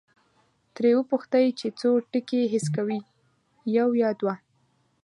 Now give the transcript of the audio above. ترې وپوښتئ چې څو ټکي حس کوي، یو یا دوه؟